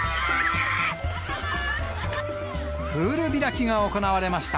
プール開きが行われました。